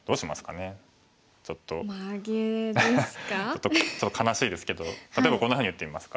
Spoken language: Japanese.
ちょっと悲しいですけど例えばこんなふうに打ってみますか。